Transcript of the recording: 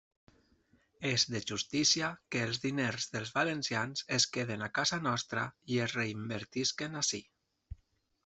És de justícia que els diners dels valencians es queden a casa nostra i es reinvertisquen ací.